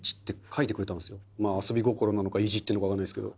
まあ遊び心なのかいじってるのかわからないですけど。